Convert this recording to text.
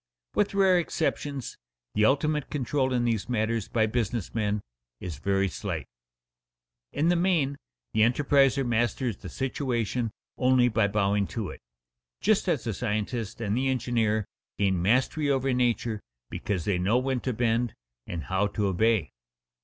With rare exceptions the ultimate control in these matters by business men is very slight. In the main the enterpriser masters the situation only by bowing to it, just as the scientist and the engineer gain mastery over nature because they know when to bend and how to obey.